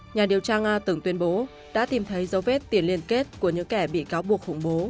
nhà điều tra nga từng tuyên bố đã tìm thấy dấu vết tiền liên kết của những kẻ bị cáo buộc khủng bố